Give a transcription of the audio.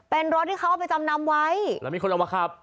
เป็นรถที่เขาเอาไปจำนำไว้แล้วมีคนเอามาขับ